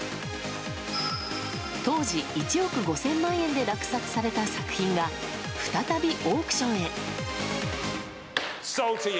当時、１億５０００万円で落札された作品が再びオークションへ。